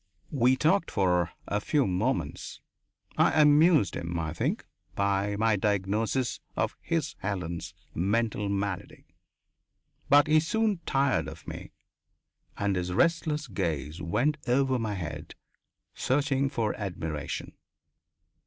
We talked for a few moments. I amused him, I think, by my diagnosis of his Helen's mental malady. But he soon tired of me and his restless gaze went over my head, searching for admiration.